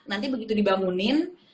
nanti begitu dibangunin